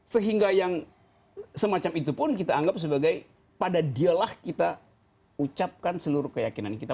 sehingga yang semacam itu pun kita anggap sebagai pada dialah kita ucapkan seluruh keyakinan kita